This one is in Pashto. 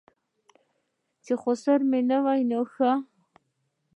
چې خسر مې نه وي ښه.